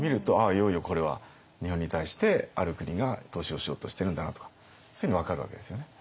いよいよこれは日本に対してある国が投資をしようとしてるんだなとかそういうの分かるわけですよね。